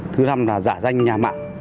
thứ năm là giả danh nhà mạng